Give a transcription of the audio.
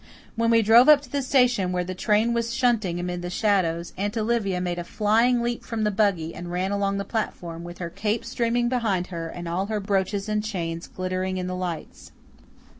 When we drove up to the station, where the train was shunting amid the shadows, Aunt Olivia made a flying leap from the buggy and ran along the platform, with her cape streaming behind her and all her brooches and chains glittering in the lights.